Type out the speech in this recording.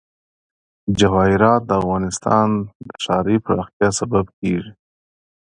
جواهرات د افغانستان د ښاري پراختیا سبب کېږي.